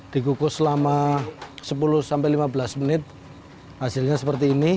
dikukus selama sepuluh sampai lima belas menit hasilnya seperti ini